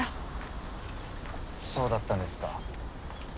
そうだったんですか。